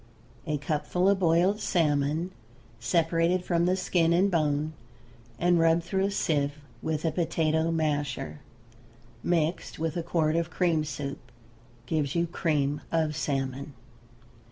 A cupful of boiled salmon separated from the skin and bone and rubbed through a sieve with a potato masher, mixed with a quart of cream soup, gives you cream of salmon.